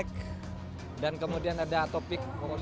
kemudian ada topik politik